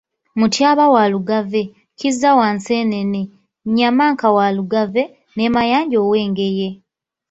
Mutyaba wa Lugave, Kizza wa Nseenene, Nnyamanka wa Lugave, ne Mayanja ow'Engeye.